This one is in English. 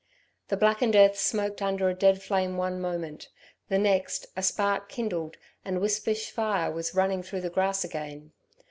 The blackened earth smoked under a dead flame one moment, the next a spark kindled and wispish fire was running through the grass again.